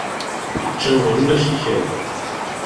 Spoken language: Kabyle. Yečča weɣyul acikaw.